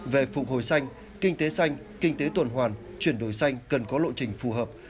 về phục hồi xanh kinh tế xanh kinh tế tuần hoàn chuyển đổi xanh cần có lộ trình phù hợp